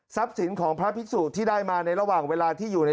สินของพระภิกษุที่ได้มาในระหว่างเวลาที่อยู่ใน